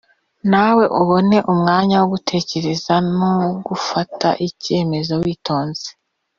nawe ubone umwanya wo gutekereza no gufata icyemezo witonze